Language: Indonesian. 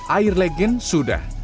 air legin sudah